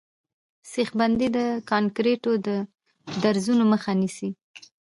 سیخ بندي د کانکریټو د درزونو مخه نیسي